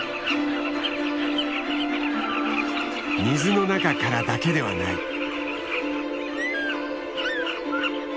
水の中からだけではない。